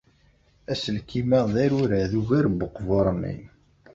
Aselkim-a d arurad ugar n uqbur-nni.